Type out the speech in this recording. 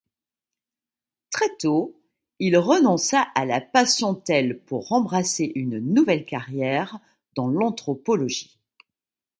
Très tôt, il renonça à la patientèle pour embrasser une nouvelle carrière dans l'anthropologie.